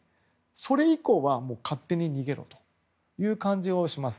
それ以降は勝手に逃げろという感じがします。